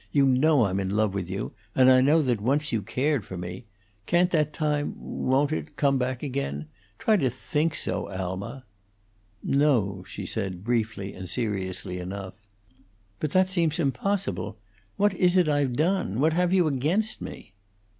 You know I'm in love with you; and I know that once you cared for me. Can't that time won't it come back again? Try to think so, Alma!" "No," she said, briefly and seriously enough. "But that seems impossible. What is it I've done what have you against me?"